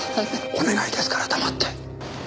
お願いですから黙って。